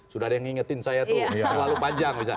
sudah ada yang mengingatkan saya tuh terlalu panjang